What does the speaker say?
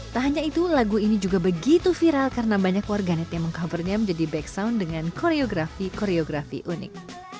tak hanya itu lagu ini juga begitu viral karena banyak warganet yang meng covernya menjadi back sound dengan koreografi koreografi unik